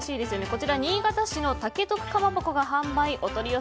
こちらは新潟市の竹徳かまぼこが販売。